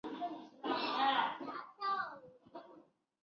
坎普博尼图是巴西巴拉那州的一个市镇。